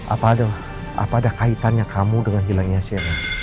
apa ada kaitannya kamu dengan hilangnya sena